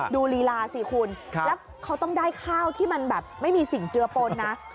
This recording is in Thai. ลีลาสิคุณแล้วเขาต้องได้ข้าวที่มันแบบไม่มีสิ่งเจือปนนะ